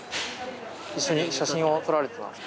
一緒に写真を撮られてたんですか？